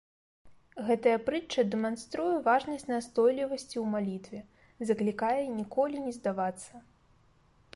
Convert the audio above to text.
Гэтая прытча дэманструе важнасць настойлівасці ў малітве, заклікае ніколі не здавацца.